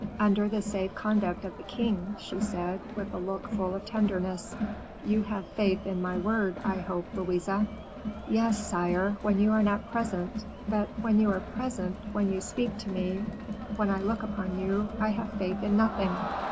"Under the safe conduct of the king," she said, with a look full of tenderness. "You have faith in my word, I hope, Louise?" "Yes, sire, when you are not present; but when you are present, when you speak to me, when I look upon you, I have faith in nothing."